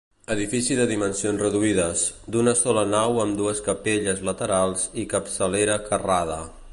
Edifici de dimensions reduïdes, d'una sola nau amb dues capelles laterals i capçalera carrada.